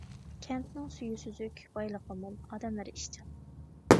كەنتنىڭ سۈيى سۈزۈك، بايلىقى مول، ئادەملىرى ئىشچان.